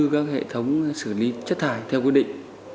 các hệ thống xử lý chất thải theo quy định